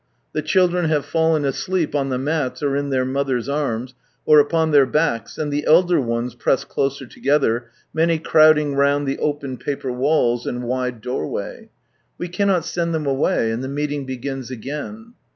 The children have fallen asleep on the mats or in iheJr mothers' arms, or upon their backs, and the elder ones press closer together, many crowding roimd the open paper walls, and wide doorway. We cannot send them away, and the meeting begins again.